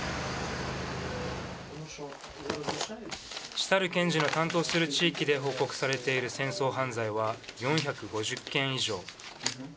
シタル検事の担当する地域で報告されている戦争犯罪は４５０件以上。